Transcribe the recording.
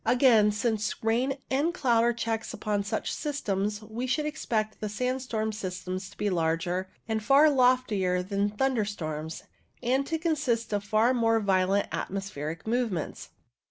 Again, since rain and cloud are checks upon such systems, we should expect the sandstorm systems to be larger and far loftier than thunderstorms, and to consist of far more violent atmospheric movements.